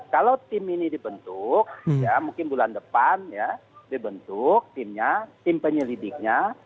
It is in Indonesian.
kalau tim ini dibentuk ya mungkin bulan depan ya dibentuk timnya tim penyelidiknya